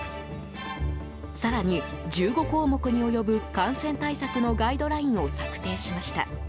更に、１５項目に及ぶ感染対策のガイドラインを策定しました。